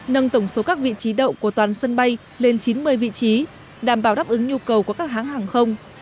nâng tổng số các vị trí đậu của toàn sân bay lên chín mươi vị trí đảm bảo đáp ứng nhu cầu của các hãng hàng không